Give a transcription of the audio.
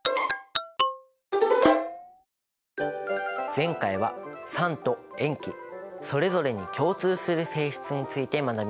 前回は酸と塩基それぞれに共通する性質について学びました。